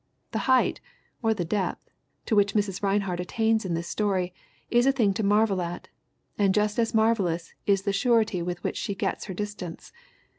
The height or the depth to which Mrs. Rinehart attains in this story is a thing to marvel at, and just as marvelous is the surety with which she gets her distance.